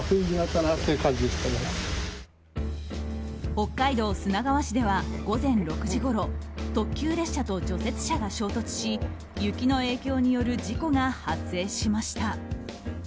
北海道砂川市では午前６時ごろ特急列車と除雪車が衝突し雪の影響による事故が発生しました。